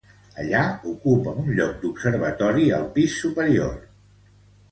Allà ocupa un lloc observatori al pis superior.